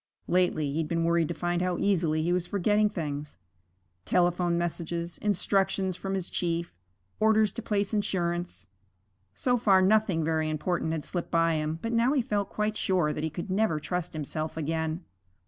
Lately he had been worried to find how easily he was forgetting things telephone messages, instructions from his chief, orders to place insurance. So far nothing very important had slipped by him, but now he felt quite sure that he could never trust himself again.